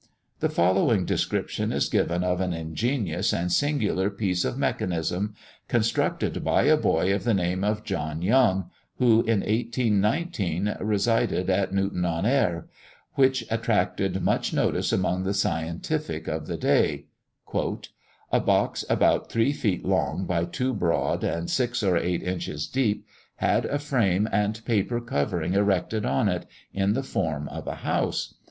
The following description is given of an ingenious and singular piece of mechanism constructed by a boy of the name of John Young, who in 1819 resided at Newton on Ayr which attracted much notice among the scientific of the day: "A box, about three feet long by two broad, and six or eight inches deep, had a frame and paper covering erected on it, in the form of a house.